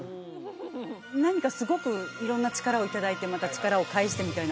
何かすごく色んな力をいただいてまた力を返してみたいな